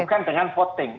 bukan dengan voting